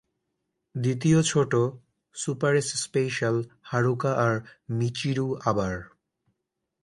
দ্বিতীয় ছোট, সুপারএস special: Haruka আর মিচিরু, আবার!